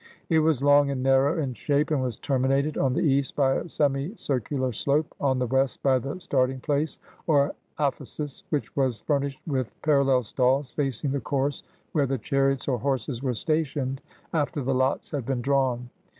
It was long and narrow in shape, and was terminated on the east by a semicircular slope, on the west by the starting place, or aphesis, which was furnished with parallel stalls facing the course where the chariots or horses were stationed after the lots had been drawn.